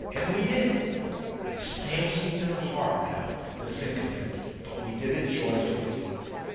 And we did. It stabs me to the heart now to think of it, but we did it joyfully.